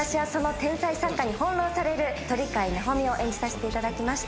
私はその天才作家に翻弄される鳥飼なほみを演じさせていただきました。